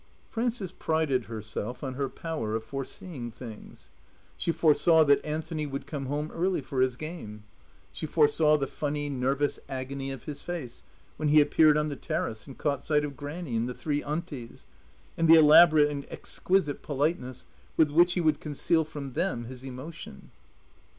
Frances prided herself on her power of foreseeing things. She foresaw that Anthony would come home early for his game. She foresaw the funny, nervous agony of his face when he appeared on the terrace and caught sight of Grannie and the three Aunties, and the elaborate and exquisite politeness with which he would conceal from them his emotion.